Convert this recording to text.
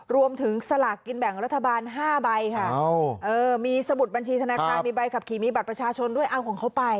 สลากกินแบ่งรัฐบาล๕ใบค่ะมีสมุดบัญชีธนาคารมีใบขับขี่มีบัตรประชาชนด้วยเอาของเขาไป